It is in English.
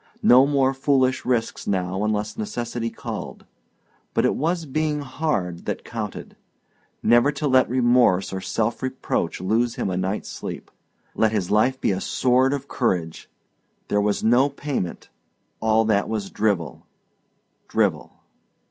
No more foolish risks now unless necessity called but it was being hard that counted Never to let remorse or self reproach lose him a night's sleep let his life be a sword of courage there was no payment all that was drivel drivel.